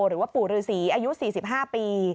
หรือว่าปู่ฤษีอายุ๔๕ปี